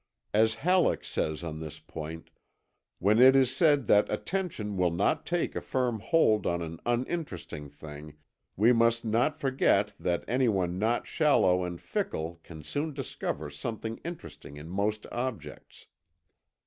As Halleck says on this point: "When it is said that attention will not take a firm hold on an uninteresting thing, we must not forget that anyone not shallow and fickle can soon discover something interesting in most objects.